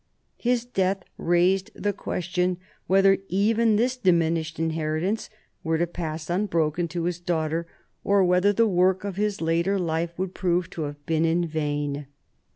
His death raised the question whether even this diminished inheritance was to pass unbroken to his daughter, or whether the work of his later life would prove to have been in vain.